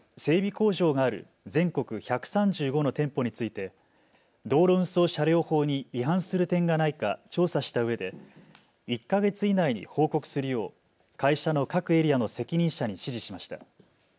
工場がある全国１３５の店舗について道路運送車両法に違反する点がないか調査したうえで１か月以内に報告するよう会社の各エリアの責任者に指示しました。